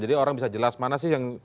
jadi orang bisa jelas mana sih yang